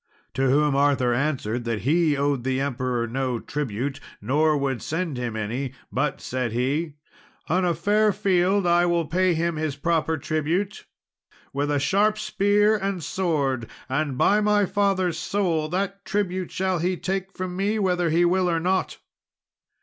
To whom King Arthur answered that he owed the emperor no tribute, nor would send him any; but said he, "On a fair field I will pay him his proper tribute with a sharp spear and sword; and by my father's soul that tribute shall he take from me, whether he will or not."